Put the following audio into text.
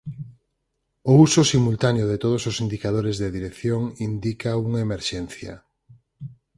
O uso simultáneo de todos os indicadores de dirección indica unha emerxencia.